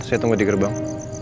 saya tunggu di gerbang